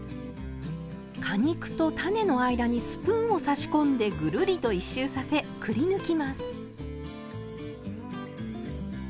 果肉と種の間にスプーンを差し込んでぐるりと１周させくりぬきます。